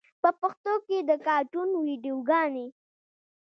په پښتو کې د کاټون ویډیوګانې